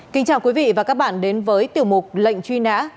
kính chào quý vị và các bạn đến với tiểu mục lệnh truy nã